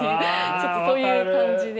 ちょっとそういう感じで。